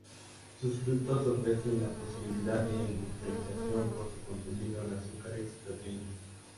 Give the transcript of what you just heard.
Sus frutos ofrecen la posibilidad de industrialización por su contenido en azúcares y proteínas.